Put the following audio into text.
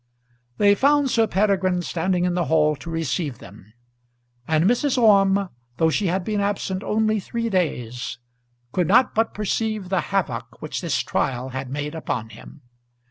They found Sir Peregrine standing in the hall to receive them, and Mrs. Orme, though she had been absent only three days, could not but perceive the havoc which this trial had made upon him.